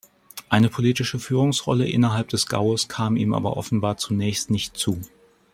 Eine politische Führungsrolle innerhalb des Gaues kam ihm aber offenbar zunächst nicht zu.